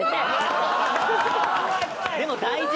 でも大事！